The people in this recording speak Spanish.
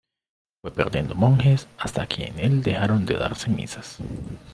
Fue perdiendo monjes hasta que en el dejaron de darse misas.